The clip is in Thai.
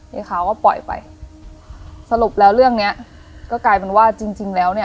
ยายขาวก็ปล่อยไปสรุปแล้วเรื่องเนี้ยก็กลายเป็นว่าจริงจริงแล้วเนี่ย